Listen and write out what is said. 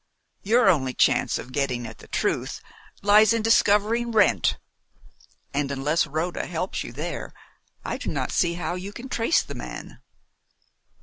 Your only chance of getting at the truth lies in discovering Wrent; and unless Rhoda helps you there, I do not see how you can trace the man."